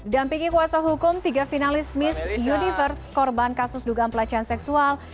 dampingi kuasa hukum tiga finalis miss universe korban kasus dugaan pelecehan seksual